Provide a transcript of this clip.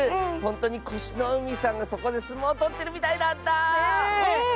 ほんとにこしのうみさんがそこですもうとってるみたいだった！